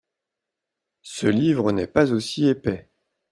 Ce livre n’est pas aussi épais.